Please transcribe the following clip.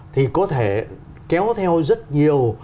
thì có thể kéo theo rất nhiều